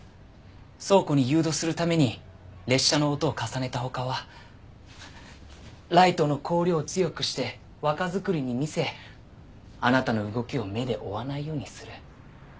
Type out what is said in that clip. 倉庫に誘導するために列車の音を重ねた他はライトの光量を強くして若作りに見せあなたの動きを目で追わないようにする。